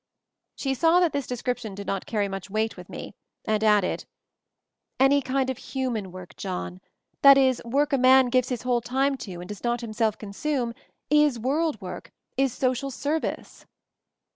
She saw that this description did not carry much weight with me, and added, "Any kind of human work, John ; that is, work a man gives his whole time to and does not himself consume, is world work — is social service."